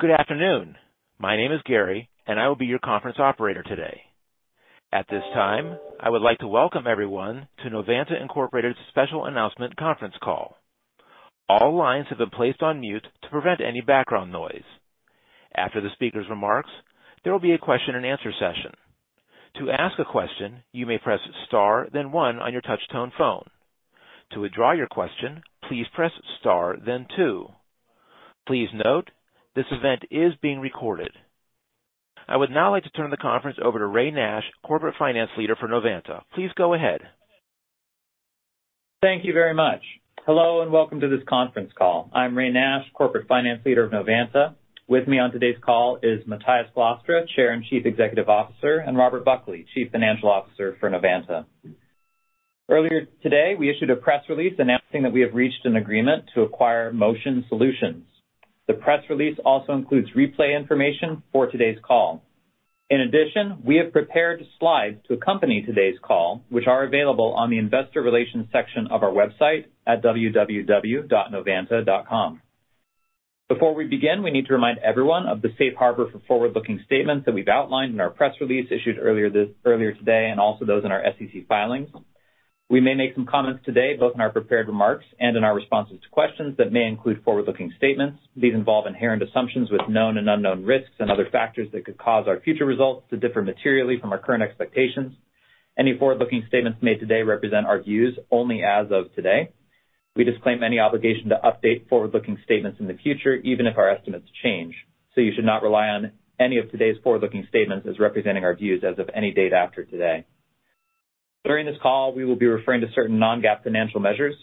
Good afternoon. My name is Gary, and I will be your conference Operator today. At this time, I would like to welcome everyone to Novanta Incorporated's Special Announcement Conference Call. All lines have been placed on mute to prevent any background noise. After the speaker's remarks, there will be a question-and-answer session. To ask a question, you may press star, then one on your touchtone phone. To withdraw your question, please press star, then two. Please note, this event is being recorded. I would now like to turn the conference over to Ray Nash, Corporate Finance Leader for Novanta. Please go ahead. Thank you very much. Hello, and welcome to this conference call. I'm Ray Nash, Corporate Finance Leader of Novanta. With me on today's call is Matthijs Glastra, Chair and Chief Executive Officer, and Robert Buckley, Chief Financial Officer for Novanta. Earlier today, we issued a press release announcing that we have reached an agreement to acquire Motion Solutions. The press release also includes replay information for today's call. In addition, we have prepared slides to accompany today's call, which are available on the Investor Relations section of our website at www.novanta.com. Before we begin, we need to remind everyone of the safe harbor for forward-looking statements that we've outlined in our press release issued earlier today, and also those in our SEC filings. We may make some comments today, both in our prepared remarks and in our responses to questions that may include forward-looking statements. These involve inherent assumptions with known and unknown risks and other factors that could cause our future results to differ materially from our current expectations. Any forward-looking statements made today represent our views only as of today. We disclaim any obligation to update forward-looking statements in the future, even if our estimates change, so you should not rely on any of today's forward-looking statements as representing our views as of any date after today. During this call, we will be referring to certain non-GAAP financial measures.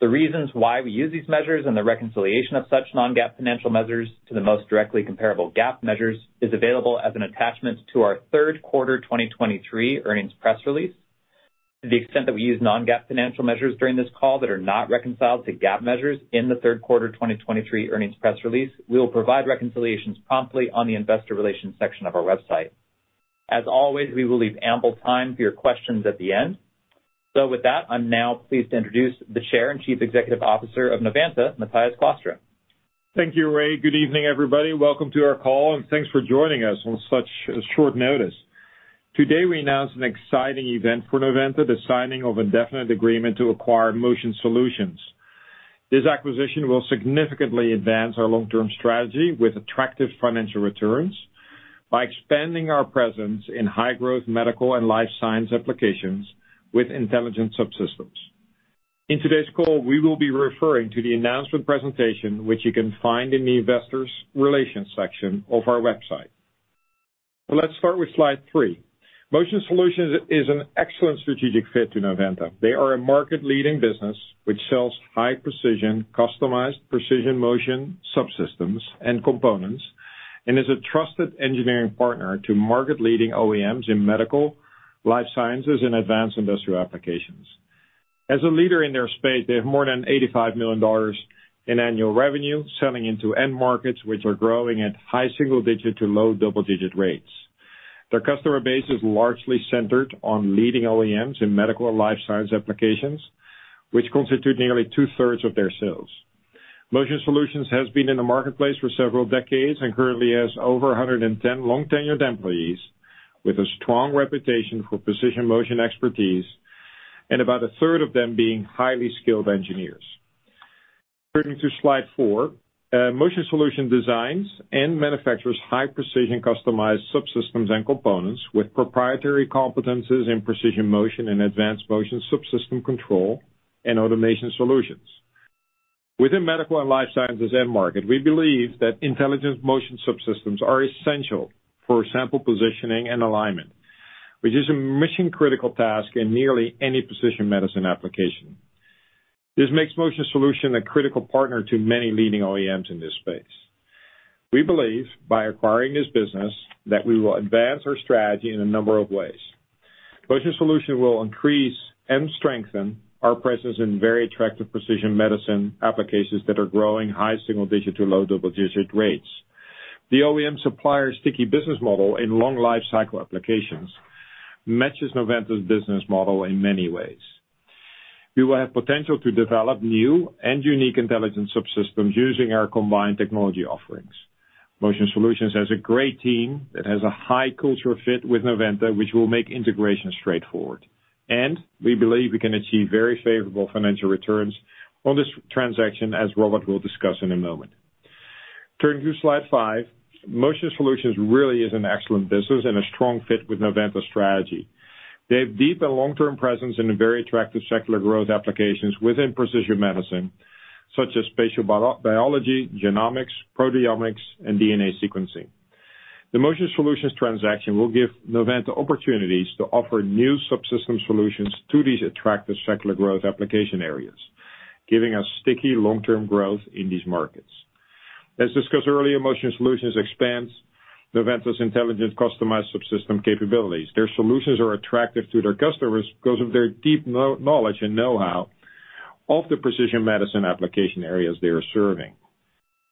The reasons why we use these measures and the reconciliation of such non-GAAP financial measures to the most directly comparable GAAP measures is available as an attachment to our third quarter 2023 earnings press release. To the extent that we use non-GAAP financial measures during this call that are not reconciled to GAAP measures in the third quarter 2023 earnings press release, we will provide reconciliations promptly on the Investor Relations section of our website. As always, we will leave ample time for your questions at the end. So with that, I'm now pleased to introduce the Chair and Chief Executive Officer of Novanta, Matthijs Glastra. Thank you, Ray. Good evening, everybody. Welcome to our call, and thanks for joining us on such short notice. Today, we announce an exciting event for Novanta, the signing of a definitive agreement to acquire Motion Solutions. This acquisition will significantly advance our long-term strategy with attractive financial returns by expanding our presence in high-growth medical and life sciences applications with intelligent subsystems. In today's call, we will be referring to the announcement presentation, which you can find in the Investor Relations section of our website. Let's start with slide three. Motion Solutions is an excellent strategic fit to Novanta. They are a market-leading business which sells high-precision, customized precision motion, subsystems, and components, and is a trusted engineering partner to market-leading OEMs in medical, life sciences, and advanced industrial applications. As a leader in their space, they have more than $85 million in annual revenue, selling into end markets, which are growing at high single-digit to low double-digit rates. Their customer base is largely centered on leading OEMs in medical and life science applications, which constitute nearly two-thirds of their sales. Motion Solutions has been in the marketplace for several decades and currently has over 110 long-tenured employees with a strong reputation for precision motion expertise, and about a third of them being highly skilled engineers. Turning to slide four, Motion Solutions designs and manufactures high-precision, customized subsystems and components with proprietary competencies in precision motion and advanced motion subsystem control and automation solutions. Within medical and life sciences end market, we believe that intelligent motion subsystems are essential for sample positioning and alignment, which is a mission-critical task in nearly any precision medicine application. This makes Motion Solutions a critical partner to many leading OEMs in this space. We believe, by acquiring this business, that we will advance our strategy in a number of ways. Motion Solutions will increase and strengthen our presence in very attractive precision medicine applications that are growing high single-digit to low double-digit rates. The OEM supplier sticky business model in long lifecycle applications matches Novanta's business model in many ways. We will have potential to develop new and unique intelligent subsystems using our combined technology offerings. Motion Solutions has a great team that has a high cultural fit with Novanta, which will make integration straightforward, and we believe we can achieve very favorable financial returns on this transaction, as Robert will discuss in a moment. Turning to slide five, Motion Solutions really is an excellent business and a strong fit with Novanta's strategy. They have deep and long-term presence in a very attractive secular growth applications within precision medicine, such as spatial biology, Ggenomics, proteomics, and DNA sequencing. The Motion Solutions transaction will give Novanta opportunities to offer new subsystem solutions to these attractive secular growth application areas, giving us sticky long-term growth in these markets. As discussed earlier, Motion Solutions expands Novanta's intelligent, customized subsystem capabilities. Their solutions are attractive to their customers because of their deep knowledge and know-how of the precision medicine application areas they are serving.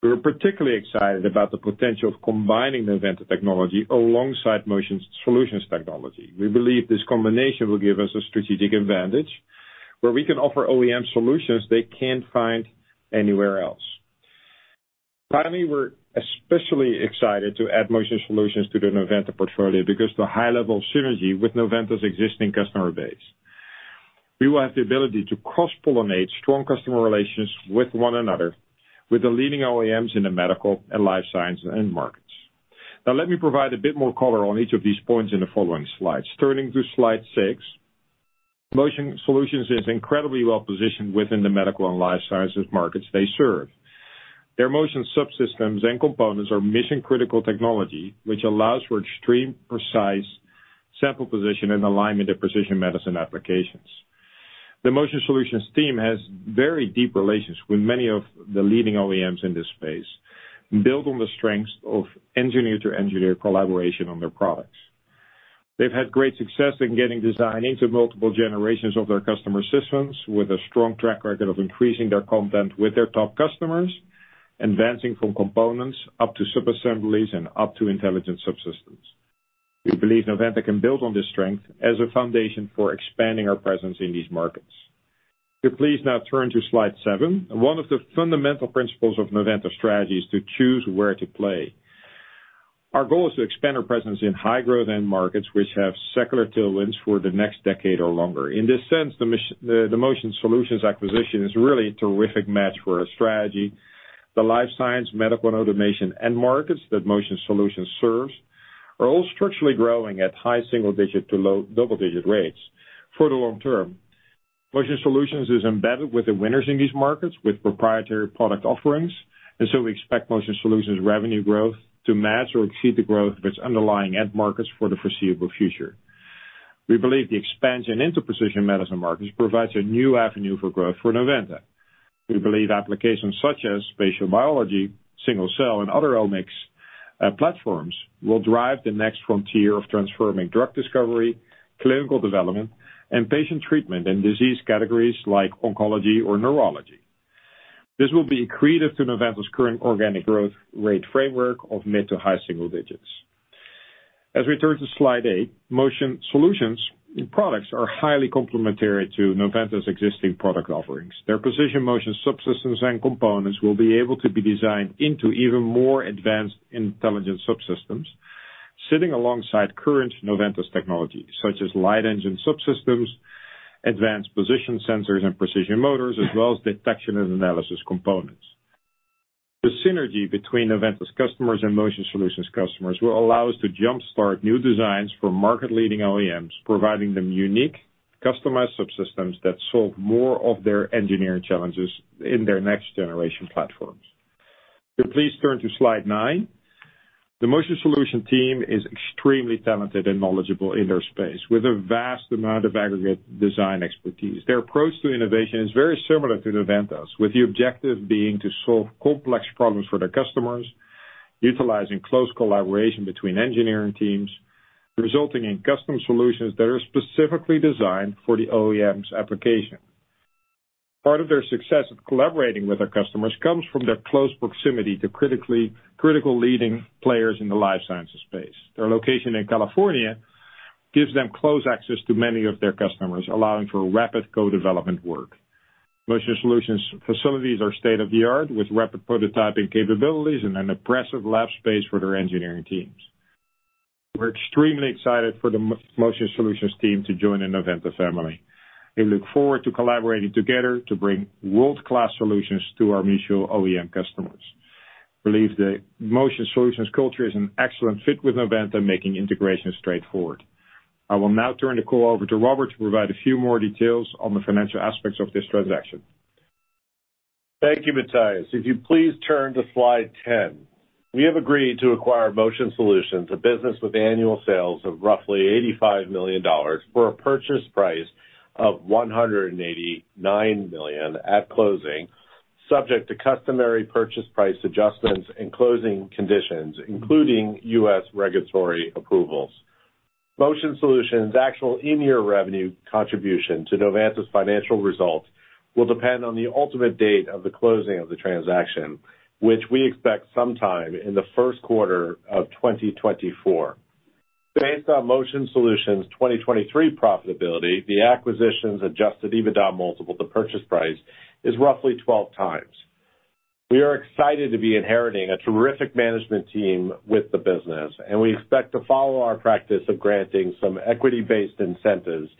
We are particularly excited about the potential of combining Novanta technology alongside Motion Solutions technology. We believe this combination will give us a strategic advantage, where we can offer OEM solutions they can't find anywhere else. Finally, we're especially excited to add Motion Solutions to the Novanta portfolio because the high level of synergy with Novanta's existing customer base. We will have the ability to cross-pollinate strong customer relations with one another, with the leading OEMs in the medical and life science end markets. Now, let me provide a bit more color on each of these points in the following slides. Turning to slide six, Motion Solutions is incredibly well-positioned within the medical and life sciences markets they serve. Their motion subsystems and components are mission-critical technology, which allows for extreme precise sample position and alignment of precision medicine applications. The Motion Solutions team has very deep relations with many of the leading OEMs in this space, and build on the strengths of engineer-to-engineer collaboration on their products. They've had great success in getting design into multiple generations of their customer systems, with a strong track record of increasing their content with their top customers, advancing from components up to subassemblies and up to intelligent subsystems. We believe Novanta can build on this strength as a foundation for expanding our presence in these markets. Could you please now turn to slide seven? One of the fundamental principles of Novanta's strategy is to choose where to play. Our goal is to expand our presence in high-growth end markets, which have secular tailwinds for the next decade or longer. In this sense, the Motion Solutions acquisition is really a terrific match for our strategy. The life science, medical, and automation end markets that Motion Solutions serves are all structurally growing at high single-digit to low double-digit rates for the long term. Motion Solutions is embedded with the winners in these markets with proprietary product offerings, and so we expect Motion Solutions revenue growth to match or exceed the growth of its underlying end markets for the foreseeable future. We believe the expansion into precision medicine markets provides a new avenue for growth for Novanta. We believe applications such as spatial biology, single cell, and other omics platforms, will drive the next frontier of transforming drug discovery, clinical development, and patient treatment in disease categories like oncology or neurology. This will be accretive to Novanta's current organic growth rate framework of mid- to high single-digits. As we turn to slide eight, Motion Solutions products are highly complementary to Novanta's existing product offerings. Their precision motion subsystems and components will be able to be designed into even more advanced intelligent subsystems, sitting alongside current Novanta's technologies, such as light engine subsystems, advanced position sensors and precision motors, as well as detection and analysis components. The synergy between Novanta's customers and Motion Solutions customers will allow us to jumpstart new designs for market-leading OEMs, providing them unique, customized subsystems that solve more of their engineering challenges in their next-generation platforms. Could you please turn to slide nine? The Motion Solutions team is extremely talented and knowledgeable in their space, with a vast amount of aggregate design expertise. Their approach to innovation is very similar to Novanta's, with the objective being to solve complex problems for their customers, utilizing close collaboration between engineering teams, resulting in custom solutions that are specifically designed for the OEM's application. Part of their success of collaborating with their customers comes from their close proximity to critical leading players in the life sciences space. Their location in California gives them close access to many of their customers, allowing for rapid co-development work. Motion Solutions facilities are state-of-the-art, with rapid prototyping capabilities and an impressive lab space for their engineering teams. We're extremely excited for the Motion Solutions team to join the Novanta family. We look forward to collaborating together to bring world-class solutions to our mutual OEM customers. We believe the Motion Solutions culture is an excellent fit with Novanta, making integration straightforward. I will now turn the call over to Robert to provide a few more details on the financial aspects of this transaction. Thank you, Matthijs. If you please turn to slide 10. We have agreed to acquire Motion Solutions, a business with annual sales of roughly $85 million, for a purchase price of $189 million at closing, subject to customary purchase price adjustments and closing conditions, including U.S. regulatory approvals. Motion Solutions' actual in-year revenue contribution to Novanta's financial results will depend on the ultimate date of the closing of the transaction, which we expect sometime in the first quarter of 2024. Based on Motion Solutions' 2023 profitability, the acquisition's Adjusted EBITDA multiple to purchase price is roughly 12x. We are excited to be inheriting a terrific management team with the business, and we expect to follow our practice of granting some equity-based incentives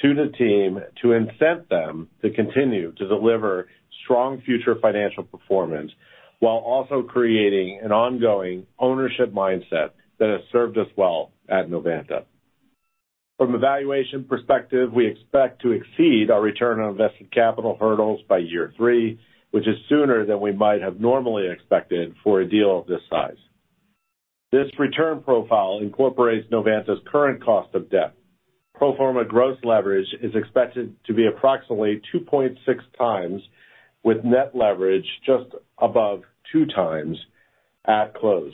to the team to incent them to continue to deliver strong future financial performance, while also creating an ongoing ownership mindset that has served us well at Novanta. From a valuation perspective, we expect to exceed our return on invested capital hurdles by year three, which is sooner than we might have normally expected for a deal of this size. This return profile incorporates Novanta's current cost of debt. Pro forma gross leverage is expected to be approximately 2.6 x, with net leverage just above 2x at close.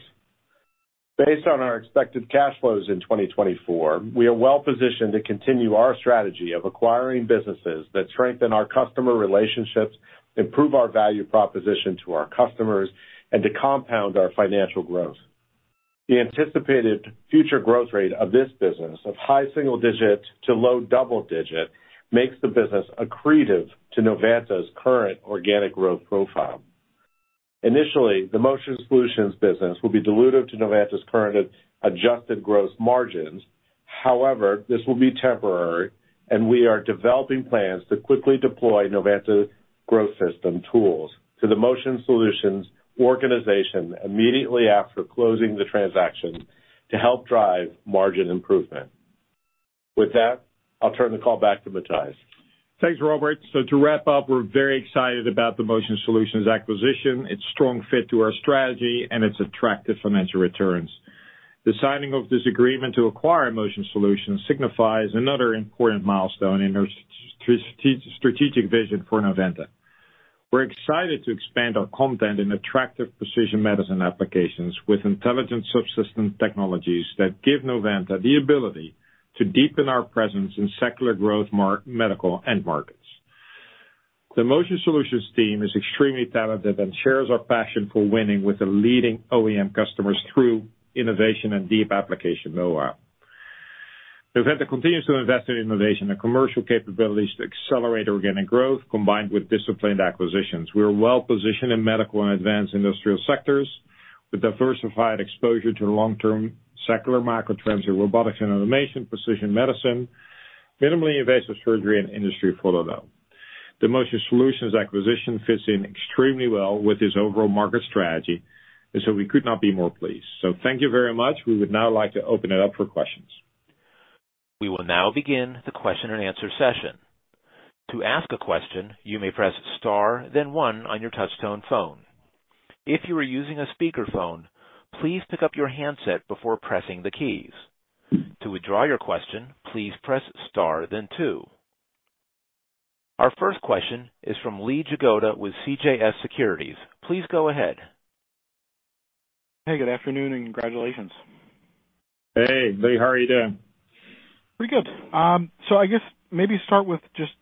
Based on our expected cash flows in 2024, we are well positioned to continue our strategy of acquiring businesses that strengthen our customer relationships, improve our value proposition to our customers, and to compound our financial growth. The anticipated future growth rate of this business of high single digit to low double digit makes the business accretive to Novanta's current organic growth profile. Initially, the Motion Solutions business will be dilutive to Novanta's current adjusted gross margins. However, this will be temporary, and we are developing plans to quickly deploy Novanta Growth System tools to the Motion Solutions organization immediately after closing the transaction to help drive margin improvement. With that, I'll turn the call back to Matthijs. Thanks, Robert. So to wrap up, we're very excited about the Motion Solutions acquisition, its strong fit to our strategy, and its attractive financial returns. The signing of this agreement to acquire Motion Solutions signifies another important milestone in our strategic vision for Novanta. We're excited to expand our content in attractive precision medicine applications with intelligent subsystem technologies that give Novanta the ability to deepen our presence in secular growth medical end markets. The Motion Solutions team is extremely talented and shares our passion for winning with the leading OEM customers through innovation and deep application know-how. Novanta continues to invest in innovation and commercial capabilities to accelerate organic growth, combined with disciplined acquisitions. We are well positioned in medical and advanced industrial sectors with diversified exposure to long-term secular macro trends in robotics and automation, precision medicine, minimally invasive surgery, and Industry 4.0. The Motion Solutions acquisition fits in extremely well with this overall market strategy, and so we could not be more pleased. Thank you very much. We would now like to open it up for questions. We will now begin the question-and-answer session. To ask a question, you may press star, then one on your touchtone phone. If you are using a speakerphone, please pick up your handset before pressing the keys. To withdraw your question, please press star then two. Our first question is from Lee Jagoda with CJS Securities. Please go ahead. Hey, good afternoon, and congratulations. Hey, Lee. How are you doing? Pretty good. So I guess maybe start with just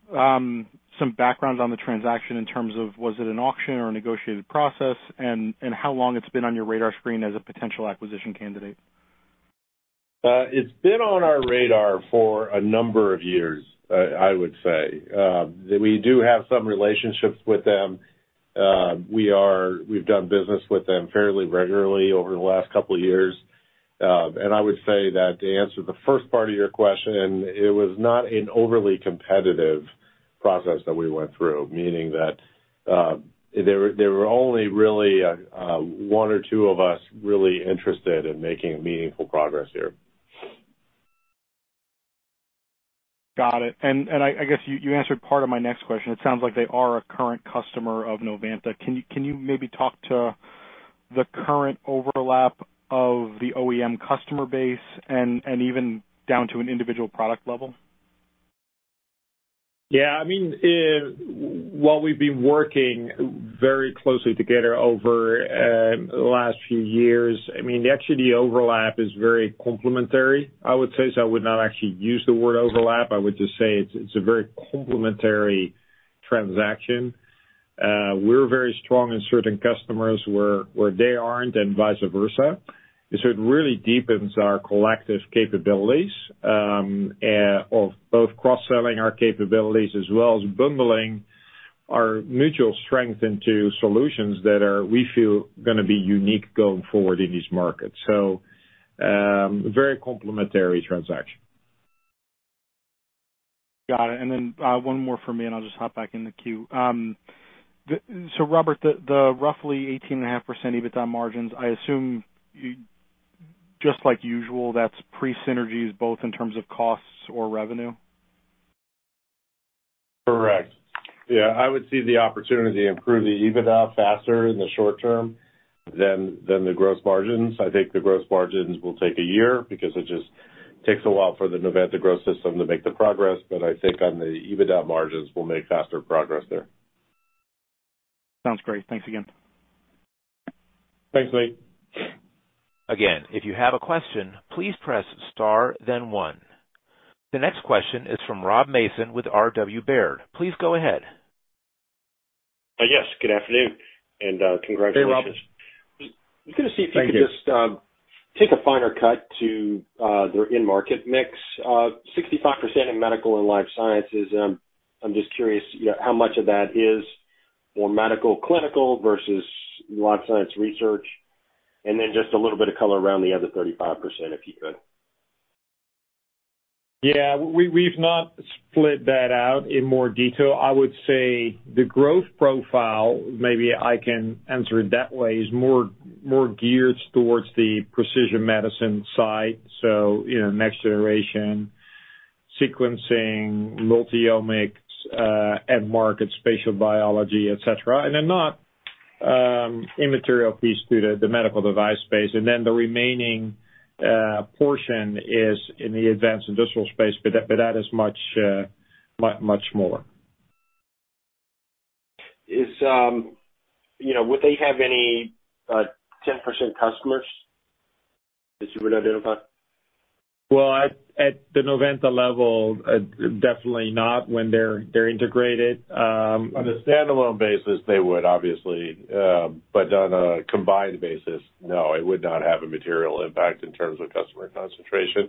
some background on the transaction in terms of was it an auction or a negotiated process, and how long it's been on your radar screen as a potential acquisition candidate? It's been on our radar for a number of years, I would say. We do have some relationships with them. We've done business with them fairly regularly over the last couple of years. I would say that to answer the first part of your question, it was not an overly competitive process that we went through, meaning that there were only really one or two of us really interested in making meaningful progress here. Got it. And, I guess you answered part of my next question. It sounds like they are a current customer of Novanta. Can you maybe talk to the current overlap of the OEM customer base and even down to an individual product level? Yeah. I mean, while we've been working very closely together over the last few years, I mean, actually, the overlap is very complementary, I would say. So I would not actually use the word overlap. I would just say it's, it's a very complementary transaction. We're very strong in certain customers where they aren't, and vice versa. And so it really deepens our collective capabilities of both cross-selling our capabilities as well as bundling our mutual strength into solutions that are, we feel, gonna be unique going forward in these markets. So, very complementary transaction. Got it. And then, one more for me, and I'll just hop back in the queue. So Robert, the roughly 18.5% EBITDA margins, I assume, just like usual, that's pre-synergies, both in terms of costs or revenue? Correct. Yeah, I would see the opportunity to improve the EBITDA faster in the short term than the gross margins. I think the gross margins will take a year because it just takes a while for the Novanta Growth System to make the progress, but I think on the EBITDA margins, we'll make faster progress there. Sounds great. Thanks again. Thanks, Lee. Again, if you have a question, please press star then one. The next question is from Rob Mason with RW Baird. Please go ahead. Yes, good afternoon, and congratulations. Hey, Robert. I'm gonna see if you could- Thank you. Just take a finer cut to the end market mix. 65% in medical and life sciences. I'm just curious, you know, how much of that is more medical, clinical, versus life science research? And then just a little bit of color around the other 35%, if you could. Yeah, we, we've not split that out in more detail. I would say the growth profile, maybe I can answer it that way, is more geared towards the precision medicine side. So, you know, next generation sequencing, multiomics end market, spatial biology, et cetera. And then not a material piece to the medical device space, and then the remaining portion is in the advanced industrial space, but that is much more. You know, would they have any 10% customers that you would identify?... Well, at the Novanta level, definitely not when they're integrated. On a standalone basis, they would obviously, but on a combined basis, no, it would not have a material impact in terms of customer concentration.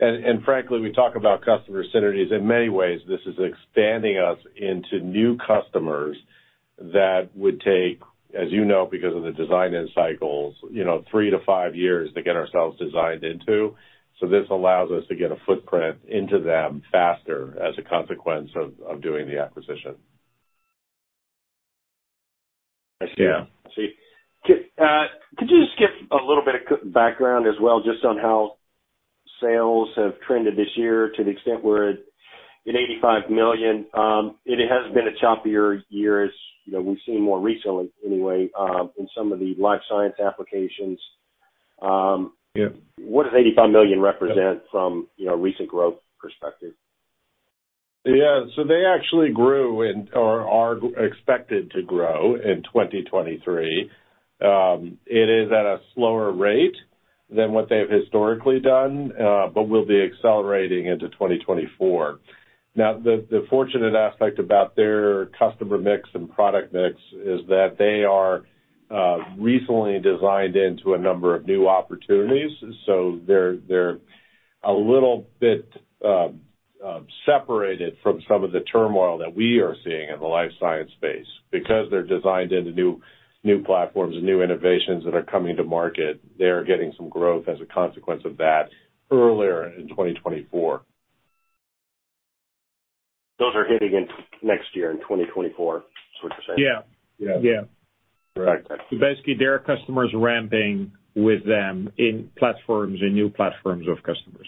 And frankly, we talk about customer synergies. In many ways, this is expanding us into new customers that would take, as you know, because of the design-in cycles, you know, three to five years to get ourselves designed into. So this allows us to get a footprint into them faster as a consequence of doing the acquisition. I see. Yeah. I see. Could you just give a little bit of background as well, just on how sales have trended this year to the extent where in $85 million, it has been a choppier year, as you know, we've seen more recently anyway, in some of the life science applications. Yeah. What does $85 million represent from, you know, recent growth perspective? Yeah. So they actually grew and, or are expected to grow in 2023. It is at a slower rate than what they have historically done, but will be accelerating into 2024. Now, the fortunate aspect about their customer mix and product mix is that they are recently designed into a number of new opportunities, so they're a little bit separated from some of the turmoil that we are seeing in the life science space. Because they're designed into new platforms and new innovations that are coming to market, they are getting some growth as a consequence of that earlier in 2024. Those are hitting in next year, in 2024, is what you're saying? Yeah. Yeah. Yeah. Correct. So basically, their customers are ramping with them in platforms, in new platforms of customers.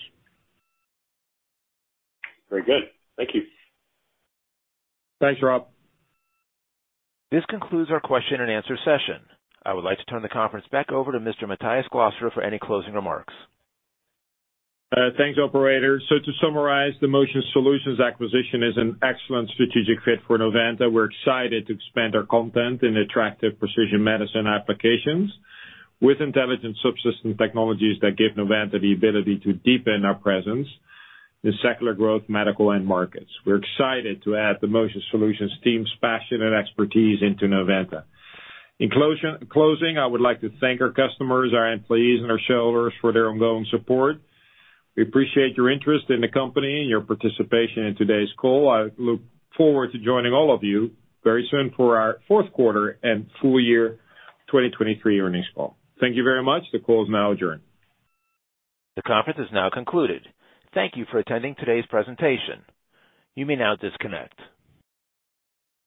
Very good. Thank you. Thanks, Rob. This concludes our question and answer session. I would like to turn the conference back over to Mr. Matthijs Glastra for any closing remarks. Thanks, Operator. So to summarize, the Motion Solutions acquisition is an excellent strategic fit for Novanta. We're excited to expand our content in attractive precision medicine applications with intelligent subsystem technologies that give Novanta the ability to deepen our presence in secular growth medical end markets. We're excited to add the Motion Solutions team's passion and expertise into Novanta. In closing, I would like to thank our customers, our employees, and our shareholders for their ongoing support. We appreciate your interest in the company and your participation in today's call. I look forward to joining all of you very soon for our fourth quarter and full year 2023 earnings call. Thank you very much. The call is now adjourned. The conference is now concluded. Thank you for attending today's presentation. You may now disconnect.